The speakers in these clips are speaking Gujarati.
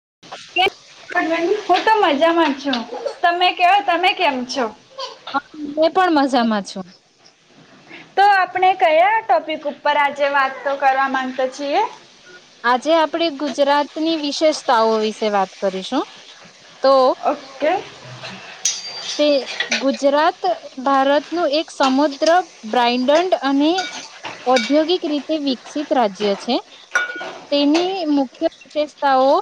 [unintelligible] મજામાં છો તમે ક તમે કેમ છો. હ મે પણ મજામાં છું. તો આપણે કયા ટોપિક ઉપર આજે વાત તો કરવા માંગતો છીએ. આજે આપણેે ગુજરાતની વિશેષતાઓ વિશે વાત કરીશું. તો ઓકે. તે ગુજરાત બ્રાન્ડડ અને ઔદ્યોગિક. રીતે વિકસિત રાજ્ય છે તેની મુખ્ય. વિશેષતાઓ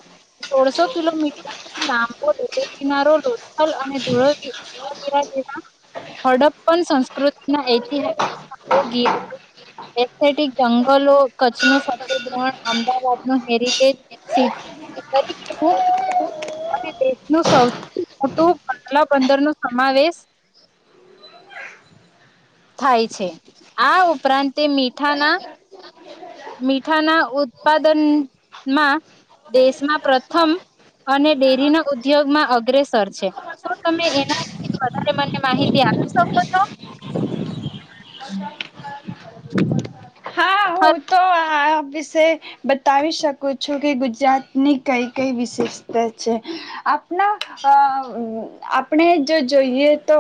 સોળસો કિલોમીટરથી લાંબો દરિયા કિનારો લોથલ અને ધૂળો. હડપ્પન સંસ્કૃતિના ઐતિહાસિક જંગલો કચ્છ ન સણ અમદાવાદ ન હેરિટેજટી તરીકેનું દેશનું સૌથી મોટું. પંદર નો સમાવેશ. થાય છે આ ઉપરાંત મીઠાના મીઠાના ઉત્પાદનમાં દેશમાં પ્રથમ અને ડેરીના ઉદ્યોગમાં અગ્રેસર છે શું તમે એના વધારે મને માહિતી આપી શકો છો. હમ. હા. હું તો આ વિશે બતાવી શકું છું કે ગુજરાતની કઈ કઈ વિશેષતા છે આપણા આપણે જો જોઈએ. તો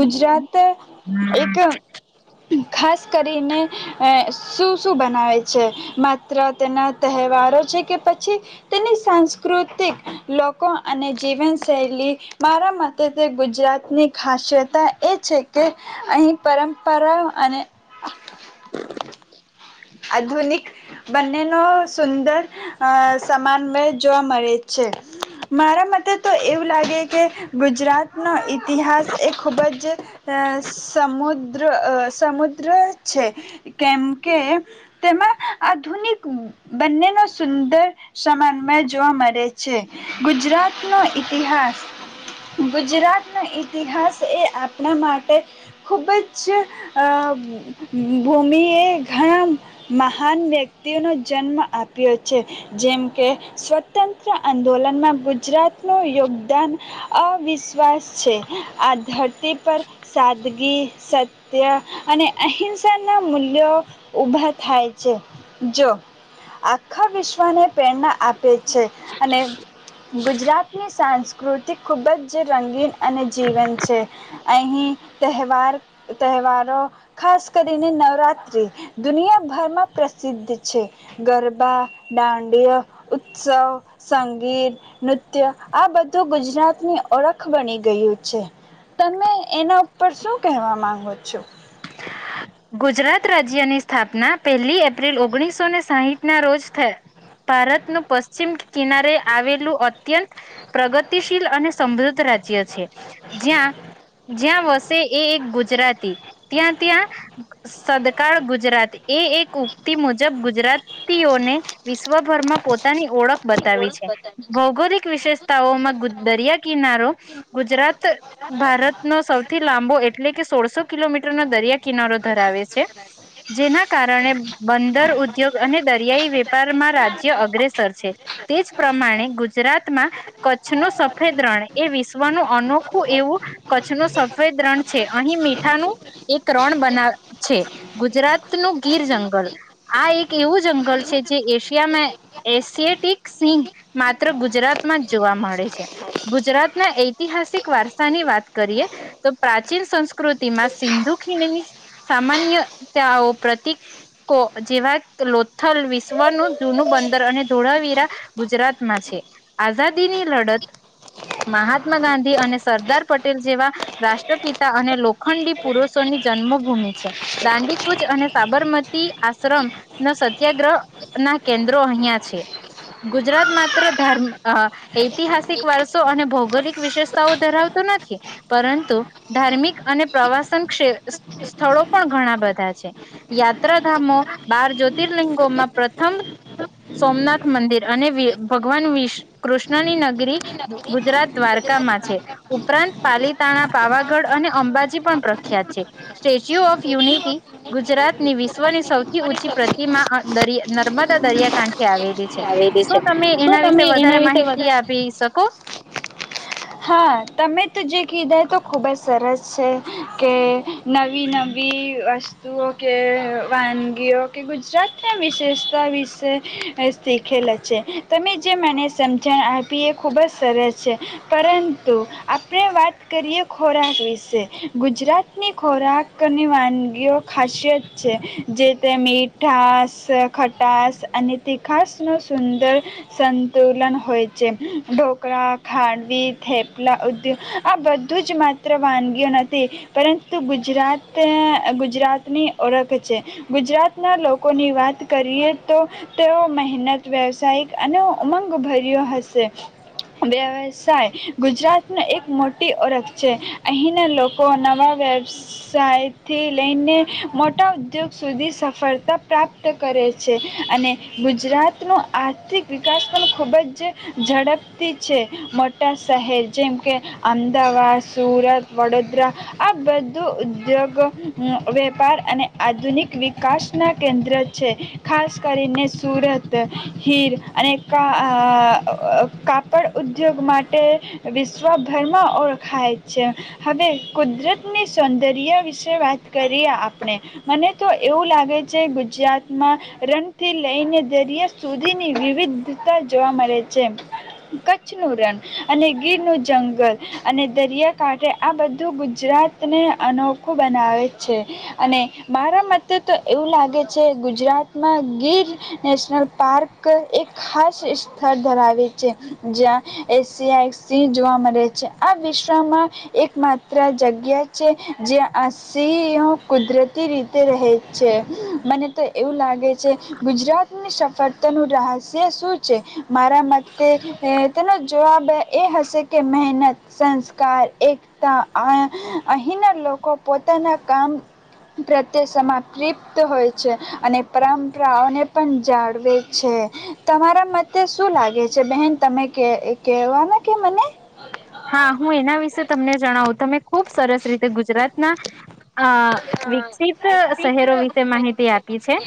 ગુજરાત એક. ખાસ કરીને. શું શું બનાવે છે માત્ર તેના તહેવારો છે કે પછી તેની સાંસ્કૃતિક લોકો અને જીવનશૈલી મારા મતે તે ગુજરાતની ખાસ્યતા એ છે કે અહીં પરંપરા અને. [inaudible] આધુનિક બંનેનો સુંદર સમાન્વય જોવા મળે છે મારા મતે તો એવું લાગે કે ગુજરાતનો. ઇતિહાસ એ ખૂબ જ સમુદ. જો અહ સમુદ્ર છે. કેમ કે તેમાં આધુનિક બંનેનો સુંદર સમન્વય જોવા મળે છે. ગુજરાત નો ઈતિહાસ ગુજરાત નો ઈતિહાસ એ આપણા માટે ખુબ જ અહ ભૂમિ એ ઘણા મહાન વ્યક્તિઓનો જન્મ આપ્યો છે. જેમકે સ્વતંત્ર આંદોલનમાં ગુજરાતનું યોગદાન અવિશ્વાસ છે. આ ધરતી પર સાદગી, સત્ય અને અહિંસાના મૂલ્યો ઉભા થાય છે. જો આખા વિશ્વને પ્રેરણા આપ તે છે, અને ગુજરાતની સાંસ્કૃતિ ખૂબ જ રંગીન અને જીવંત છે. અહીં તહેવાર તહેવારો ખાસ કરીને નવરાત્રિ દુનિયાભરમાં પ્રસિદ્ધ છે. ગરબા, દાંડ્ય ઉત્સવ, સંગીત, નૃત્ય આ બધું ગુજરાતની ઓળખ બની ગયું છે. તમે એના ઉપર શું કહેવા માંગો છો? ગુજરાત રાજ્યની સ્થાપના પહેલી એપ્રિલ ઓગણીસો ને સાઈટ ના રોજ થ ભારત નું પશ્ચિમ કિનારે આવેલું અત્યંત, પ્રગતિશીલ અને સમૃદ્ધ રાજ્ય છે. જ્યાં જ્યાં વસ તે એ એક ગુજરાતી, ત્યાં ત્યાં સદકાળ ગુજરાત. એ એક ઉક્તિ મુજબ ગુજરાતીઓને, વિશ્વભરમાં પોતાની ઓળખ બતાવી છે. ભૌગોલિક વિશેષતાઓમાં ગુ દરિયા કિનારો, ગુજરાત ભારતનો સૌથી લાંબો એ એટલે કે સોળસો કિલોમીટર ના દરિયા કિનારો ધરાવે છે. જેના કારણે બંદર ઉદ્યોગ અને દરિયાઈ વેપારમાં રાજ્ય અગ્રેસર છે. તે જ પ્રમાણે ગુજરાતમાં, કચ્છનું સફેદ રણ એ વિશ્વનું અનોખું એવું, કચ્છનું સફેદ રણ છે અહીં મીઠાનું, એક રણ બનાવ છે. ગુજરાતનું ગીર જંગલ આ એક એવું જંગલ છે જે એશિયામાં એશિએટિક સિંહ, માત્ર ગુજરાતમાં જ જોવા મળે છે. ગુજરાતના ઐતિહાસિક વારસાની વાત કરીએ, તો પ્રાચીન સંસ્કૃતિમાં સિંધુ ખીણની સામાન્યતાઓ પ્રતીકો જેવા લોથલ વિશ્વનું જૂનું બંદર અને ધોળાવીરા, ગુજરાતમાં છે. આઝાદીની લડત મહાત્મા ગાંધી અને સરદાર પટેલ જેવા, રાષ્ટ્રપિતા અને લોખંડી પુરુષોની જન્મભૂમિ છે. દાંડીકુચ અને સાબરમતી આશ્રમ ન સત્યાગ્રહ ના કેન્દ્રો અહિયાં છે. ગુજરાત માત્ર ધાર્મ અહ ઐતિહાસિક વારસો અને ભૌગોલિક વિશેષતાઓ ધરાવતો નથી, પરંતુ ધાર્મિક અને પ્રવાસન શે શ શ સ્થળો પણ ઘણા બધા છે. યાત્રાધામો બાર જ્યોતિર્લિંગોમાં પ્રથમ સોમનાથ મંદિર અને ભગવાન વિષ કૃષ્ણની નગરી, ગુજરાત દ્વારકામાં છે. ઉપરાંત પાલીતાણા, પાવાગઢ અને અંબાજી પણ પ્રખ્યાત છે. સ્ટેચ્યુ ઓફ યુનિટી ગુજરાત ની વિશ્વની સૌથી ઊંચી પ્રતિમા અહ દરય નર્મદા દરિયાકાંઠે આવેલ લી છે. આવેલી છે શું તમે શું એના વિશે તમે વધારે એના વિશે માહિતી વધારે આપી શકો? હા, તમે તો જે કીધા, એ તો ખુબ જ સરસ છે, કે નવી નવી તુંઓ કે વાનગીઓ કે ગુજ જરાતના વિશેષતા વિષે શીખેલા છે. તમે જે મને સમજણ આપી એ ખૂબ જ સરસ છે. પરંતુ, આપણે વાત કરીએ ખોરાક વિશે. ગુજરાતની ખોરાકની વાનગીઓ ખાસિયત છે. જે તે મીઠાસ, ખટાસ અને તીખાસનું સુંદર, સંતુલન હોય છે. ઢોકળા ખાંડ વી, થેપલા ઉદ્યોગ, આ બધું જ માત્ર વાનગીઓ નથી, પરંતુ ગુજરાત ગુજરાતની ઓળખ છે. ગુજરાતના લોકોની વાત કરીએ તો, તેઓ મહેનત, વ્યવસાયિક અને ઉમંગ ભર્યો હશે. વ વ્યસાય ગુજરાતને એક મોટી ઓળખ છે. અહીંના લોકો નવા વ્યવસાયથી લઈને, મોટા ઉદ્યોગ સુધી સફળતા પ્રાપ્ત કરે છે, અને ગુજરાતનો આર્થિક વિકાસ પણ ખૂબ જ, ઝડપથી છે. મો મોટા શહેર જેમ કે, અમદાવાદ, સુરત, વડોદરા આ બધું ઉદ્યોગ, વેપાર અને આધુનિક વિકાસના કેન્દ્ર છે. ખાસ કરીને સુરત હીર, અને કા કાપડ ઉદ્યોગ માટે ટે વિશ્વભરમાં ઓળખાય છે. હવે કુદરતની સૌંદર્ય વિશે વાત કરીએ આપણે. મને તો એવું લાગે છે, ગુજરાતમાં, રણથી લઈને દરિયા સુધીની વિવિધતા જોવા મળે છે. કચ્છનું રણ અને ગીર નું જંગલ, અને દરિયાકાંઠે આ બધ્ધું ગુજરાતને અનોખું બનાવે છે. અને મારા મતે તો એવું લાગે છે ગુજરાતમાં ગીર, નેશનલ પાર્ક એક ખાસ સ્થળ ધરાવે છે, જ્યાં એશિયાઈ સિંહ જોવા મળે છે. આ વિશ્વમાં, એકમાત્ર જગ્યા છે, જ્યાં આ સિંહો કુદરતી રીતે રહે છે. મને તો એવું લાગે છે, ગુજરાતની સફળતાનું રહસ્ય શું છે? મારા મતે તેનો જવાબ એ હશે, કે મહેનત, સંસ્કાર, એકતા. અહીંના લોકો પોતાના કામ પ્રત્યે સમાતિપ્ત હોય છે, અને પરંપરાઓને પણ જાળવે છે. તમારા મતે શું લાગે છે બહેન? તમે કે કેવાના કે મને? હા, હું એના વિશે તમને જણાવું. તમે ખુબ સરસ રીતે ગુજરાતના અ વિકસિત શહેરો વિશે માહિતી આપી છે.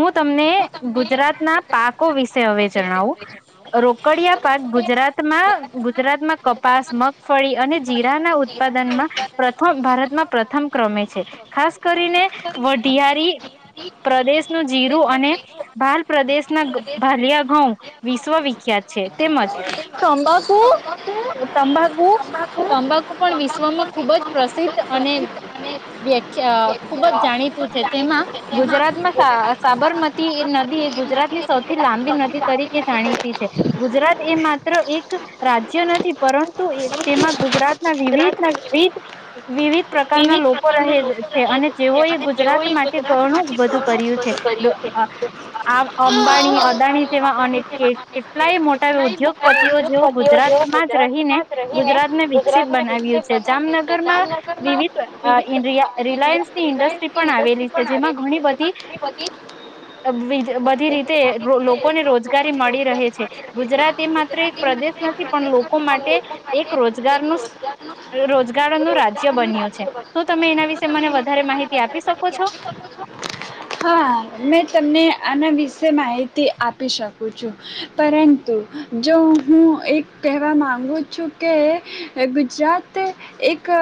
હું તમને ગુજરાતના પાકો વિશે હવે જણાવું. રોકડિયા પાક ગુજરાતમાં ગુજરાતમાં પાસ મગફળી અને જીરા ના ઉત્પાદનમાં, પ્રથમ ભારતમાં પ્રથમ ક્રમે છે, ખાસ કરીને વઢિયારી પ્રદેશનું જીરું અને, ભાલ પ્રદેશના ભાલિયા ઘઉં વિશ્વવિખ્યાત છે, તેમજ તંબાકુ તંબાકુ તંબાકુ પણ વિશ્વમાં ખુબ જ પ્રસિદ્ધ અને વ્યાખ્યા ખુબ જ જાણીતું છે તેમાં, ગુજરાતમાં સાબરમતી નદી એ ગુજરાતની સૌથી લાંબી નદી તરીકે જાણીતી છે, ગુજરાત એ માત્ર એક રાજ્ય નથી નથી પરંતુ તેમાં ગુજરાત ના વિવિધ વિવિધ. પ્રકારના લોકો રહે છે અને જેઓ એ ગુજરાત માટે ઘણું બધું કર્યું છે આ અંબાણી અદાણી જેવા અને કેટલાય મોટા ઉદ્યોગપતિઓ જેવો ગુજરાત. માં જ રહીને ગુજરાત ને વિકસિત બનાવ્યું છે જામનગરમાં. વિવિધ રિલાયન્સ ની ઇન્ડસ્ટ્રી પણ આવેલી છે જેમાં ઘણી બધી બધી રીતે લોકોને રોજગારી મળી રહે છે ગુજરાત એ માત્ર એક પ્રદેશના નથી કી નથી પણ લોકો માટે એક રોજગારનું રોજગારનું રાજ બન્યું છે શુ તમે એના વિશે મને વધારે માહિતી આપી શકો છો. હા મેં તમને આના વિશે માહિતી આપી શકું છું પરંતુ જો હું એક કહેવા માગું છું કે ગુજરાત એક. કે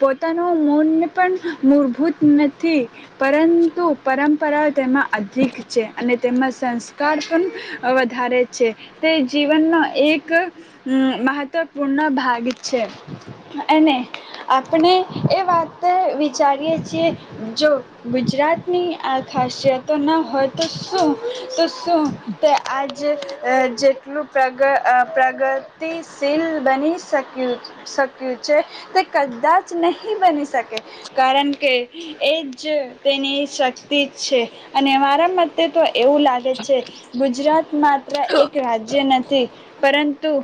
પોતાનું મન પણ મૂળભૂત નથી પરંતુ પરંપરાઓ તેમાં અધિક છે અને તેમાં સંસ્કાર પણ વધારે છે તે જીવનનો એક મહત્વપૂર્ણ ભાગ છે. અને આપણે એ વાત વિચારીય છીએ જો ગુજરાતની આ ખાસિયતો ના હોય તો શું. શુ તે આજ. જે જેટલું પ્રગ પ્રગતિશીલ બની શક્યું. શક્યું છે તે કદાચ નહી બની શકે. કારણ કે. એ જ તેની શક્તિ જ છે અને મારાં મતે તો એ એવું લાગે છે ગુજરાત માત્ર એક રાજ્ય નથી પરં તું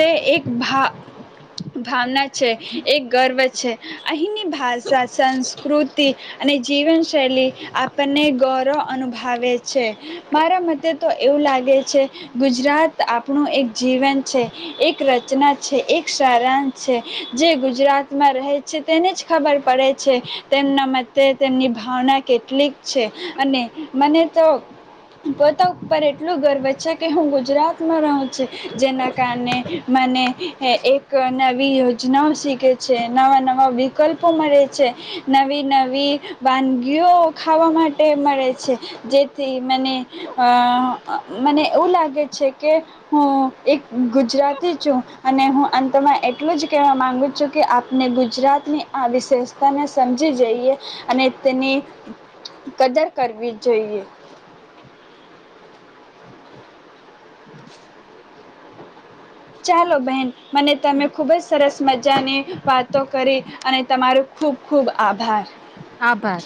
તે એક ભા ભાવના છે, એક ગર્વ છે. અહીની ભાષા સંસ્ કૃતિ અને જીવનશૈલી આપણને ગૌરવ અનુભાવેે છે. મારા મતે તો એવું લાગે છે ગુજરાત આપણું એક જીવન છે, એક રચના છે, એક સારાંશ છે, જે ગુજરાતમાં રહે છે, તેને જ ખબર પડે છે તેમના મતે તેમની ભાવના કેટલીક છે અને મને તો પોતા ઉપર એટલું ગર્વ છે કે હું ગુજરાતમાં રહું છું, જેના કારણે મને એ એક નવી યોજનાઓ શીખે છે, નવા નવા વિકલ્પો મળે છે, નવી નવી વાનગીઓ ખાવા માટે મળે છે, જેથી મને અહ મને એવું લાગે છે કે હું એક ગુજરાતી છું. અને હું અંતમાં એટલું જ કહેવા માંગુ છું કે આપને ગુજરાતની આ વિશેષતાને સમજી જઈએ અને તેની કદર કરવી જોઈએ. ચાલો બેહેન મને તમે ખુબજ સરસ મજાની વાતો કરી અને તમારું ખૂબ-ખૂબ આભાર. આભાર.